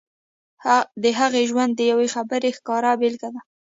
د هغې ژوند د يوې خبرې ښکاره بېلګه ده.